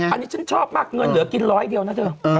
อันนี้ฉันชอบมากเงินเหลือกินร้อยเดียวนะเธอ